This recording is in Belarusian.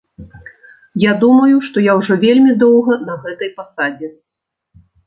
Я думаю, што я ўжо вельмі доўга на гэтай пасадзе.